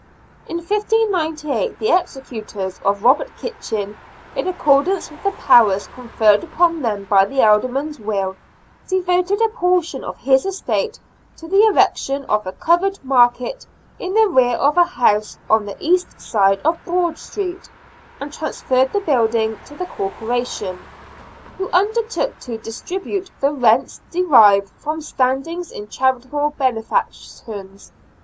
In 1598 the executors of Robert Kitchin, in accordance with the powers conferred upon them by the Alderman's will, devoted a portion of his estate to the erection of a covered market in the rear of a house on the east side of Broad Street, and transferred the building to the Corporation, who undertook to distribute the rents derived from standings in charitable benefactions.